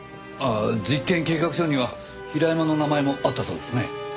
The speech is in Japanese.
実験計画書には平山の名前もあったそうですね。